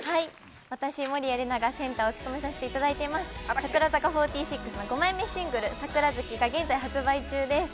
私、守屋麗奈がセンターを務めさせていただいています、櫻坂４６の５枚目のシングル『桜月』が現在発売中です。